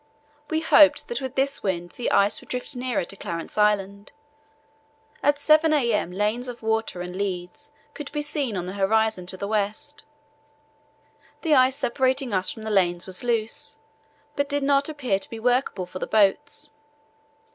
We hoped that with this wind the ice would drift nearer to Clarence Island. At 7 a.m. lanes of water and leads could be seen on the horizon to the west. The ice separating us from the lanes was loose, but did not appear to be workable for the boats.